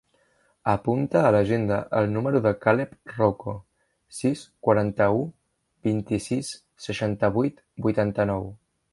Apunta a l'agenda el número del Caleb Rouco: sis, quaranta-u, vint-i-sis, seixanta-vuit, vuitanta-nou.